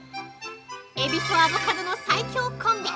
エビとアボカドの最強コンビ！